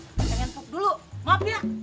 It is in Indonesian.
kita pengen pup dulu maaf ya